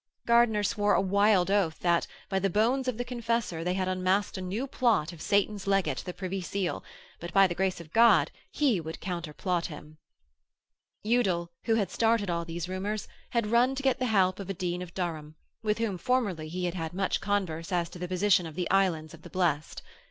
Gardiner swore a wild oath that, by the bones of the Confessor, they had unmasked a new plot of Satan's Legate, the Privy Seal. But, by the grace of God, he would counter plot him. Udal, who had started all these rumours, had run to get the help of a Dean of Durham, with whom formerly he had had much converse as to the position of the Islands of the Blest.